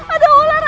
ada olah raga